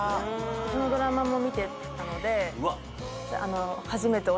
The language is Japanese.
そのドラマも見てたので初めて